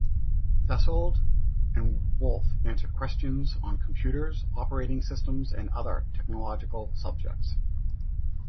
Fasoldt and Wolf answered questions on computers, operating systems, and other technological subjects.